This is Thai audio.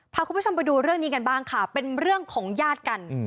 พาคุณผู้ชมไปดูเรื่องนี้กันบ้างค่ะเป็นเรื่องของญาติกัน